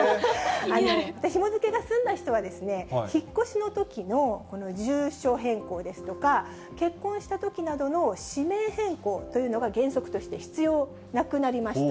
ひも付けが済んだ人は、引っ越しのときのこの住所変更ですとか、結婚したときなどの氏名変更というのが原則として必要なくなりました。